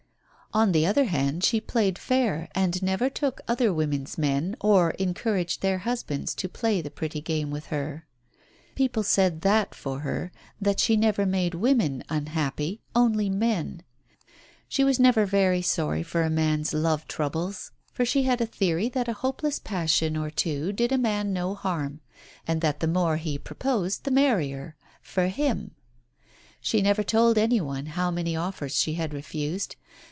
On the other hand, she played fair and never took other women's men, or encouraged their husbands to play the pretty game with her. People said that for her, that she never made women unhappy, only men. She was never very sorry for a man's love troubles, for Digitized by Google .THE TELEGRAM 5 she had a theory that a hopeless passion or two did a man no harm and that the more he proposed the merrier — for him. She never told any one how many offers she had refused.